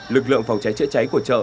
lực lượng phòng cháy chữa cháy của chợ